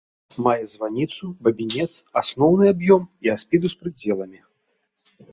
Мае званіцу, бабінец, асноўны аб'ём і апсіду з прыдзеламі.